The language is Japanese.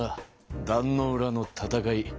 壇ノ浦の戦い。